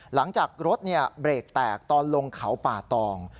หลังจากรถเบรกแตกตอนลงเขาป่าตอง